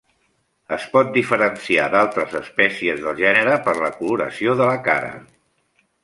Es pot diferenciar d'altres espècies del gènere per la coloració de la cara.